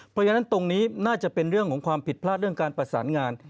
เพราะฉะนั้นตรงนี้น่าจะเป็นเรื่องของความผิดพลาดเรื่องการประสานงาน